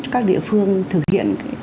các địa phương thực hiện